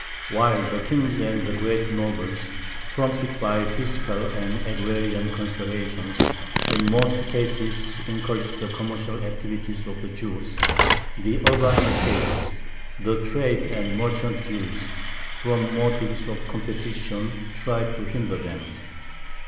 While the kings and the great nobles, prompted by fiscal and agrarian considerations, in most cases encouraged the commercial activities of the Jews, the urban estates, the trade and merchant guilds, from motives of competition, tried to hinder them.